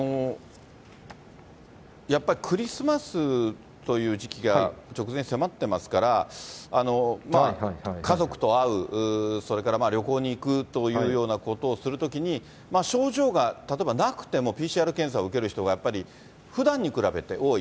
やっぱり、クリスマスという時期が直前に迫ってますから、家族と会う、それから旅行に行くというようなことをするときに、症状が例えばなくてもＰＣＲ検査を受ける人がやっぱり、ふだんに比べて多い。